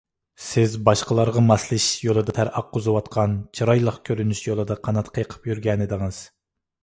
سىز باشقىلارغا ماسلىشىش يولىدا تەر ئاققۇزۇۋاتقان، چىرايلىق كۆرۈنۈش يولىدا قانات قېقىپ يۈرگەنىدىڭىز.